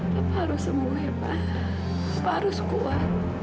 papa harus sembuh ya pa papa harus kuat